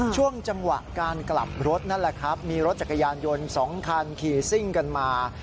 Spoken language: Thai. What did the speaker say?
ช่วงจังหวะการกลับรถนั่นแหละครับมีรถจักรยานยนต์๒คันขี่ซิ่งกันมา